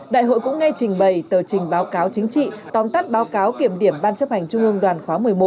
đại hội cũng nghe trình bày tờ trình báo cáo chính trị tóm tắt báo cáo kiểm điểm ban chấp hành trung ương đoàn khóa một mươi một